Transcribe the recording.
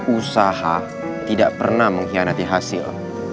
usaha tidak pernah mengkhianati hasil